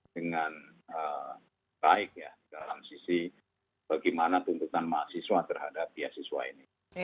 dengan baik ya dalam sisi bagaimana tuntutan mahasiswa terhadap beasiswa ini